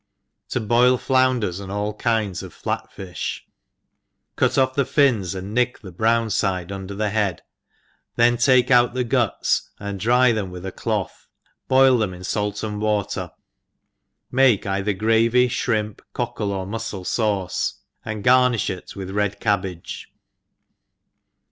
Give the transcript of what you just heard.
To boil Flounpers, and all Kinds of Flat Fish. CUT off the fins, and nick the brown fide under the head, then take out the guts, and dry them wit^ a cloth, boil tjiem in fait and water ; make either gravy, flirimp, cockle, or mufcle fauce, and garnifh it with red cabbage.